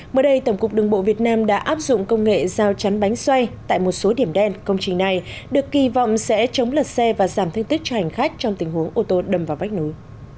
mới đây tổng cục đường bộ việt nam đã áp dụng công nghệ giao chắn bánh xoay tại một số điểm đen công trình này được kỳ vọng sẽ chống lật xe và giảm thương tích cho hành khách trong tình huống ô tô đâm vào vách núi